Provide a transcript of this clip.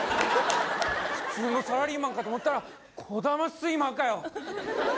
普通のサラリーマンかと思ったらこだまスイマーかよ